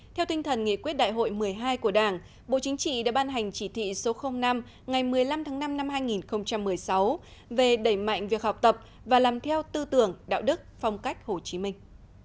theo tinh thần nghị quyết đại hội một mươi hai của đảng bộ chính trị đã ban hành chỉ thị số năm ngày một mươi năm tháng năm năm hai nghìn một mươi sáu về đẩy mạnh việc học tập và làm theo tư tưởng đạo đức phong cách hồ chí minh